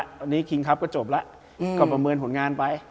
วันนี้คิงครัฟท์ก็จบล่ะก็ประเมินผลงานไป